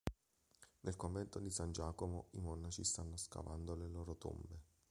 Nel convento di san Giacomo, i monaci stanno scavando le loro tombe.